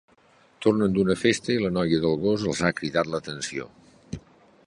Tornen d'una festa i la noia del gos els ha cridat l'atenció.